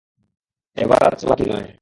এবার আর চালাকি নয়।